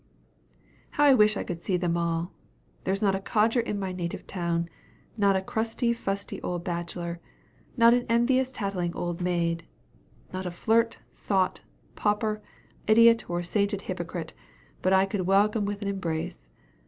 "How I wish I could see them all! There is not a codger in my native town not a crusty fusty old bachelor not an envious tattling old maid not a flirt, sot, pauper, idiot, or sainted hypocrite, but I could welcome with an embrace.